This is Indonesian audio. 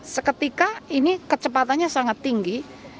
seketika ini kecepatannya sangat tinggi